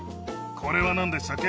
これはなんでしたっけ？